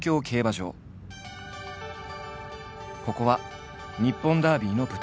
ここは日本ダービーの舞台。